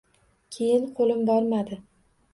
Keyin qo‘lim bormadi